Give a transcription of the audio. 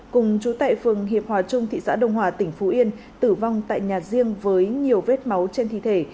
cùng chú tại phường hiệp hòa trung thị xã đông hòa tỉnh phú yên tử vong tại nhà riêng với nhiều vết máu trên thi thể